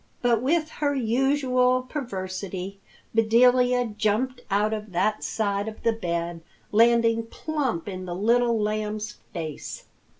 But with her usual perversity, Bedelia jumped out of that side of the bed, landing plump in the Little Lamb's face.